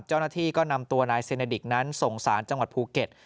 เจ้าหน้าที่ก็นำตัวนายเซเนดิกนั้นส่งสารจังหวัดภูเก็ต